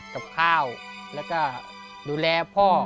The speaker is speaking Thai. กับข้าวแล้วก็ดูแลพ่อ